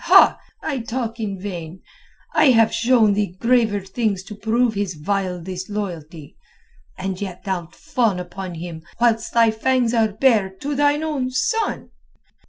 Ha! I talk in vain. I have shown thee graver things to prove his vile disloyalty, and yet thou'lt fawn upon him whilst thy fangs are bared to thine own son."